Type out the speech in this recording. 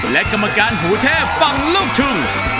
และกรรมการหูเทพฝั่งลูกทุ่ง